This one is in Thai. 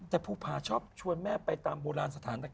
แต่ภูพาชอบชวนแม่ไปตามโบราณสถานต่าง